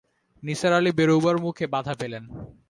নিসার আলি বেরুবার মুখে বাধা পেলেন।